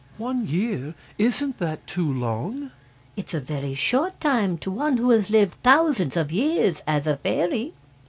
"One year! Isn't that too long?" "It's a very short time to one who has lived thousands of years as a fairy."